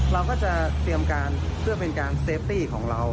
เราก็จะเตรียมการเพื่อเป็นการเซฟตี้ของเรา